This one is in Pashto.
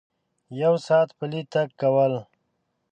یو ساعت پلی تګ کول